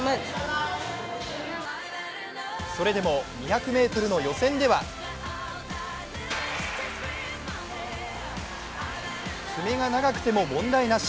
それでも２００ｍの予選では爪が長くても問題なし。